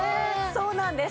そうなんです！